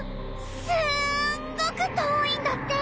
すんごくとおいんだって。